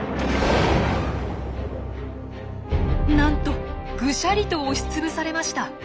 なんとグシャリと押しつぶされました。